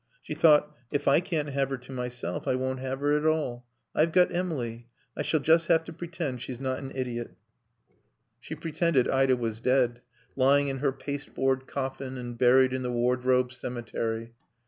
She thought: If I can't have her to myself I won't have her at all. I've got Emily. I shall just have to pretend she's not an idiot. She pretended Ida was dead; lying in her pasteboard coffin and buried in the wardrobe cemetery.